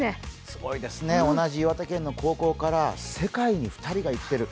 すごいですね、同じ岩手県の高校から世界に２人が行ってる。